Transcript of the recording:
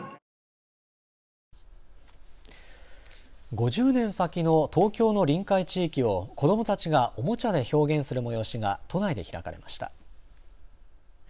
５０年先の東京の臨海地域を子どもたちがおもちゃで表現する催しが都内で開かれました。